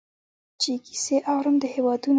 چي کیسې اورم د هیوادونو